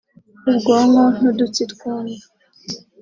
ubwonko n’udutsi twumva